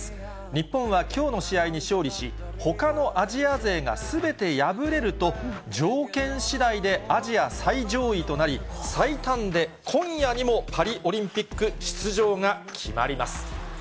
日本はきょうの試合に勝利し、ほかのアジア勢がすべて敗れると、条件しだいでアジア最上位となり、最短で今夜にもパリオリンピック出場が決まります。